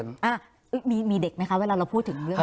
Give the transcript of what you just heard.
อย่างไรมีเด็กไหมครับเวลาเราพูดถึง